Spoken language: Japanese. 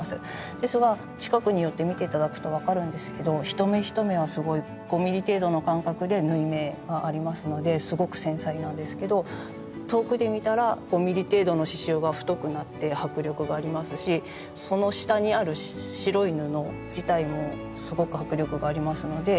ですが近くに寄って見て頂くと分かるんですけど１目１目はすごい５ｍｍ程度の間隔で縫い目がありますのですごく繊細なんですけど遠くで見たら５ｍｍ程度の刺しゅうが太くなって迫力がありますしその下にある白い布自体もすごく迫力がありますので。